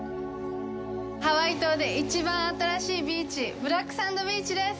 ハワイ島で一番新しいビーチ、ブラックサンドビーチです。